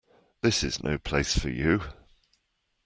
This is no place for you.